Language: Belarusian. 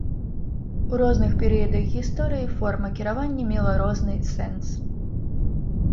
У розных перыядах гісторыі форма кіравання мела розны сэнс.